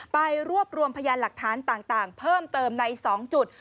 ไปรวบรวมพยานหลักฐานต่างเพิ่มเติมใน๒จุด